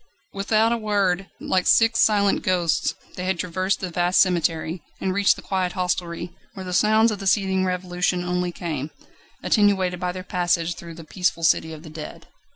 Without a word, like six silent ghosts, they had traversed the vast cemetery, and reached the quiet hostelry, where the sounds of the seething revolution only came, attenuated by their passage through the peaceful city of the dead.